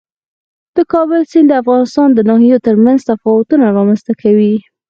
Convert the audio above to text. د کابل سیند د افغانستان د ناحیو ترمنځ تفاوتونه رامنځ ته کوي.